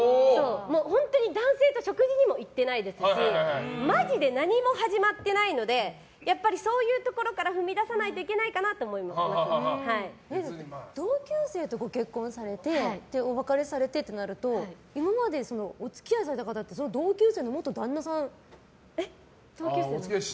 本当に男性と食事にも行ってないですしマジで何も始まってないのでやっぱりそういうところから踏み出さないと同級生とご結婚されてお別れされてってなると今までお付き合いされた方って同級生の元旦那さん。